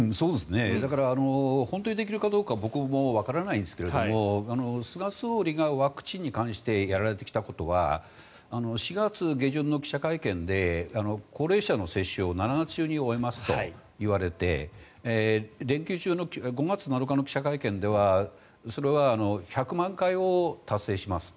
だから本当にできるかどうかは僕もわからないんですが菅総理がワクチンに関してやられてきたことは４月下旬の記者会見で高齢者の接種を７月中に終えますと言われて連休中の５月７日の記者会見ではそれは１００万回を達成しますと。